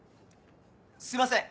すいません